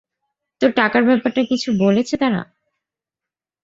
তোর টাকার ব্যাপারটা কিছু বলেছে তারা?